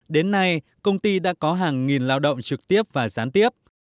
đến nay công ty đã có hàng nghìn lao động trực tiếp và gián tiếp